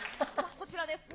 こちらです。